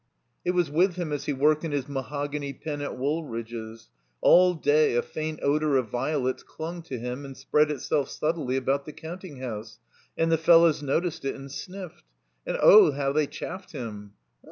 It was with him as he worked in his mahogany pen at Woolridge's. All day a faint odor of violets dung to him and spread itself subtly about the cotmting house, and the fellows noticed it and sniffed. And, oh, how they chaffed him.